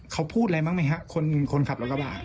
เขาพูดอะไรมั้ยแมนะครับคนขับระกระบะ